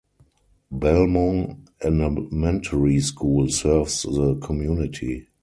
Belmont Elementary School serves the community.